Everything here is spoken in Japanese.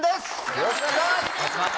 よろしくお願いします！